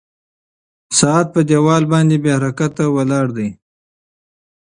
ساعت په دیوال باندې بې حرکته ولاړ دی.